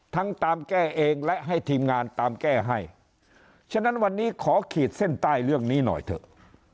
ตามแก้เองและให้ทีมงานตามแก้ให้ฉะนั้นวันนี้ขอขีดเส้นใต้เรื่องนี้หน่อยเถอะ